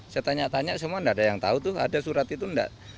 saya tanya tanya semua tidak ada yang tahu tuh ada surat itu enggak